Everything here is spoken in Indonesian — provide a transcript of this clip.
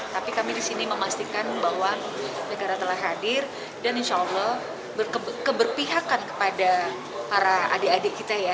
tapi kami di sini memastikan bahwa negara telah hadir dan insya allah keberpihakan kepada para adik adik kita ya